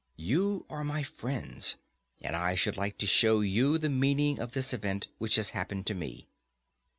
You are my friends, and I should like to show you the meaning of this event which has happened to me.